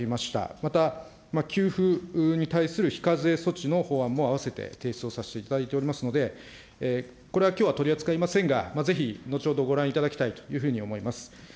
また、給付に対する非課税措置の法案も併せて提出をさせていただいておりますので、これはきょうは取り扱いませんが、ぜひ後ほどご覧いただきたいというふうに思います。